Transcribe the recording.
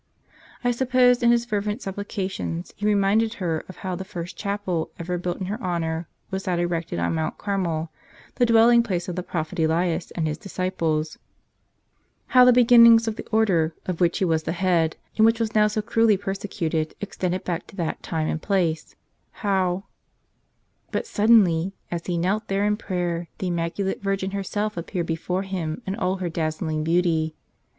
I suppose in his fervent supplications he reminded her of how the first chapel ever built in her honor was that erected on Mount Carmel, the dwelling place of the Prophet Elias and his disciples; how the beginnings of the Order of which he was the head and which was now so cruelly persecuted ex¬ tended back to that time and place ; how — But suddenly as he knelt there in prayer the Im¬ maculate Virgin herself appeared before him in all her dazzling beauty.